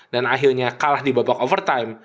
dan akhirnya kalah di babak overtime